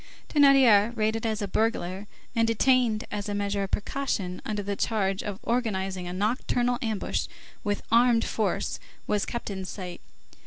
Thénardier, rated as a burglar, and detained as a measure of precaution under the charge of organizing a nocturnal ambush, with armed force, was kept in sight.